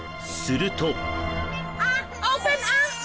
すると。